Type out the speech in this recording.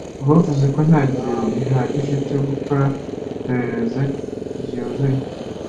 Bavuze ko nta gihe gihagije cyo gukora iperereza ryuzuye.